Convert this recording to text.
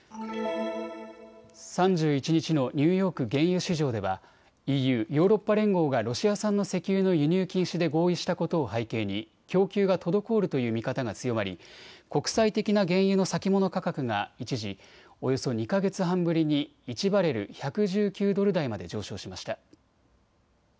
３１日のニューヨーク原油市場ではＥＵ・ヨーロッパ連合がロシア産の石油の輸入禁止で合意したことを背景に供給が滞るという見方が強まり国際的な原油の先物価格が一時およそ２か月半ぶりに１バレル１１９ドル台まで上昇しました。